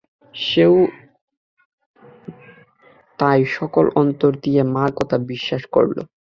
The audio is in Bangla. সেও তাই সকল অন্তর দিয়েই মার কথা বিশ্বাস করল।